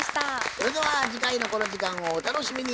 それでは次回のこの時間をお楽しみに。